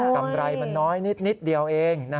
กำไรมันน้อยนิดเดียวเอง